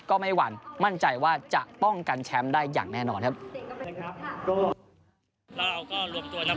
ก็ไม่หวั่นมั่นใจว่าจะป้องกันแชมป์ได้อย่างแน่นอนครับ